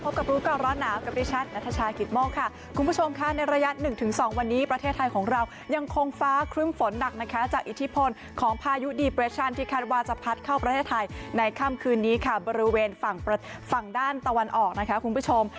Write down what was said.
สวัสดีครับคุณผู้ชมค่ะในระยะหนึ่งถึงสองวันนี้ประเทศไทยของเรายังคงฟ้าครึ่มฝนหนักนะคะจากอิทธิพลของพายุดีเปรชชันที่คันวาจะพัดเข้าประเทศไทยในค่ำคืนนี้ค่ะบริเวณฝั่งฝั่งด้านตะวันออกนะคะคุณผู้ชม